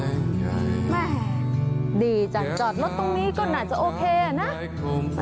แบบดีจังจอดรถตรงนี้ก็อาจจะโอเคอะนะ